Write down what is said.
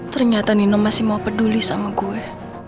ternyata nino masih mau peduli sama gue